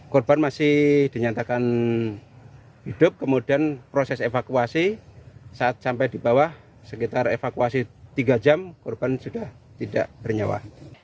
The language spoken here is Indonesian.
korban masih dinyatakan hidup kemudian proses evakuasi saat sampai di bawah sekitar evakuasi tiga jam korban sudah tidak bernyawa